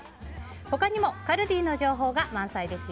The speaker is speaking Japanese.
他にもカルディの情報が満載です。